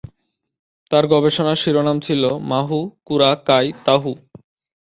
তার গবেষণার শিরোনাম ছিল "মাহু কুরা কাই তাহু"।